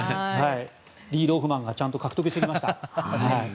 リードオフマンがちゃんと獲得してきました。